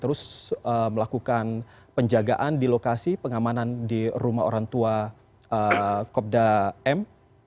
terus melakukan penjagaan di lokasi pengamanan di rumah orang tua kopda m